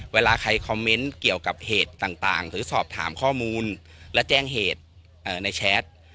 เวลาใครคอมเมนต์เกี่ยวกับเหตุต่างหรือสอบถามข้อมูลและแจ้งเหตุในแชท